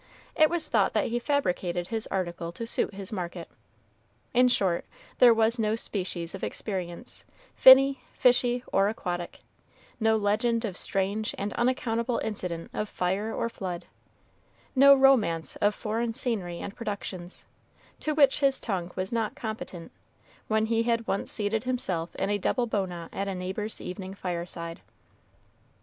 it was thought that he fabricated his article to suit his market. In short, there was no species of experience, finny, fishy, or aquatic, no legend of strange and unaccountable incident of fire or flood, no romance of foreign scenery and productions, to which his tongue was not competent, when he had once seated himself in a double bow knot at a neighbor's evening fireside.